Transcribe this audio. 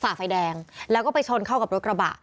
ฝ่าไฟแดงแล้วก็ไปชนเข้ากับรถกระบะ